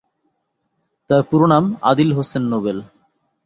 তার পুরো নাম আদিল হোসেন নোবেল।